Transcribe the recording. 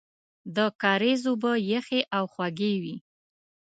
د کاریز اوبه یخې او خوږې وې.